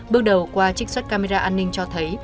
bước đầu qua trích xuất camera an ninh cho thấy